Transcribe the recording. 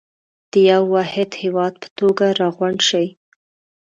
د يوه واحد هېواد په توګه راغونډ شئ.